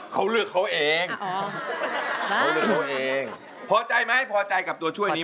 คุณก๊อฟครับ